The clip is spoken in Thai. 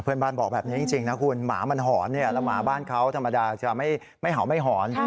เพื่อนบ้านบอกแบบนี้จริงนะคุณหมามันหอนเนี่ยแล้วหมาบ้านเขาธรรมดาจะไม่เห่าไม่หอน